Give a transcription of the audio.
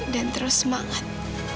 dan terus semangat